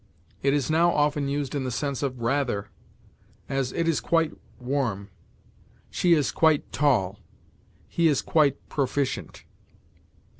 It is now often used in the sense of rather; as, "It is quite warm"; "She is quite tall"; "He is quite proficient."